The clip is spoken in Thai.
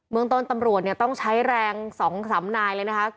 เมืองต้นตำรวจเนี่ยต้องใช้แรง๒๓นายเลยนะคะ